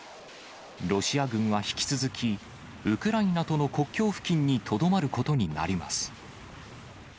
ロシア軍は引き続き、ウクライナとの国境付近にとどまることになります。